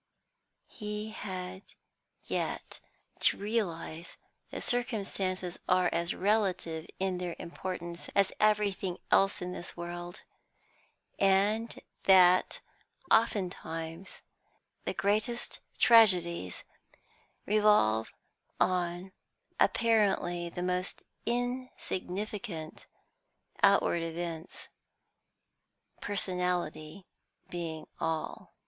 He had yet to realise that circumstances are as relative in their importance as everything else in this world, and that ofttimes the greatest tragedies revolve on apparently the most insignificant outward events personality being all.